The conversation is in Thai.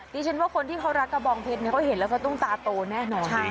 ดิฉันว่าคนที่เขารักกระบองเพชรเขาเห็นแล้วเขาต้องตาโตแน่นอน